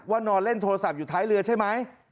นอนเล่นโทรศัพท์อยู่ท้ายเรือใช่ไหม